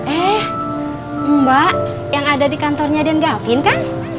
eh mbak yang ada di kantornya den gavin kan